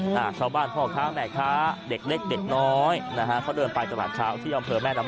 ชาวบ้านพ่อค้าแม่ค้าเด็กเล็กเด็กน้อยเขาเดินไปจากบานเช้าที่อมเผลอแม่รมาศ